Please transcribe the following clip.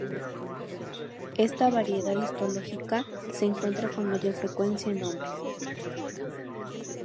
Esta variedad histológica se encuentra con mayor frecuencia en hombres.